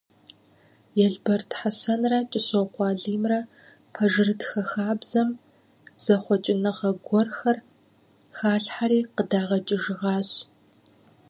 Елберд Хьэсэнрэ Кӏыщокъуэ Алимрэ пэжырытхэ хабзэм зэхъуэкӏыныгъэ гуэрхэр халъхэри къыдагъэкӏыжыгъащ.